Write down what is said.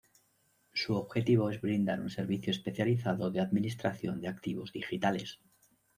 Su objetivo es brindar un servicio especializado de administración de activos digitales.